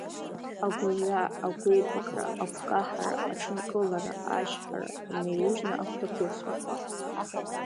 Агәырҩа, агәеибакра, агәкаҳара, аҽынкылара, ачҳара, инеиужьны агәҭахәыцрақәа.